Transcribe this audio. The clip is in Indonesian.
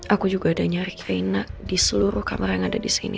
aku juga ada nyari reina di seluruh kamar yang ada disini